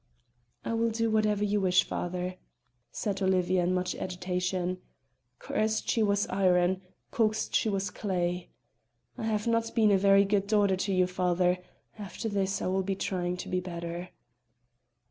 "I will do whatever you wish, father," said Olivia in much agitation. Coerced she was iron, coaxed she was clay. "I have not been a very good daughter to you, father; after this I will be trying to be better."